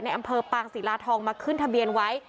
ที่พักอาศัยในอำเภอปางศรีราทองมาขึ้นทะเบียนไว้